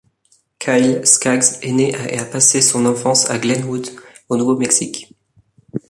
Kyle Skaggs est né et a passé son enfance à Glenwood, au Nouveau-Mexique.